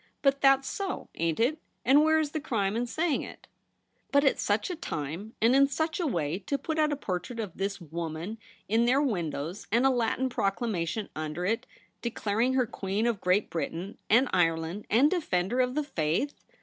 But that's so, ain't it ? And where is the crime in say ing it ?'' But at such a time; and in such a way, to put out a portrait of this w^oman in their windows, and a Latin proclamation under it) declaring her Queen of Great Britain and Ireland and Defender of the Faith